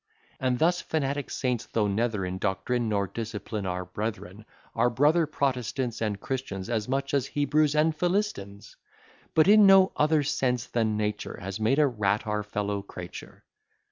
And thus fanatic saints, though neither in Doctrine nor discipline our brethren, Are brother Protestants and Christians, As much as Hebrews and Philistines: But in no other sense, than nature Has made a rat our fellow creature.